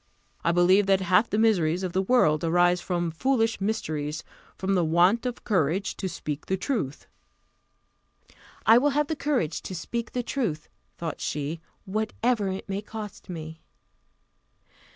"I believe that half the miseries of the world arise from foolish mysteries from the want of courage to speak the truth." I will have the courage to speak the truth, thought she, whatever it may cost me.